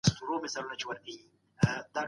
دښتینه